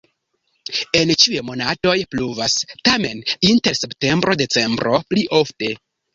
En ĉiuj monatoj pluvas, tamen inter septembro-decembro pli ofte.